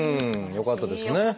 よかったですね。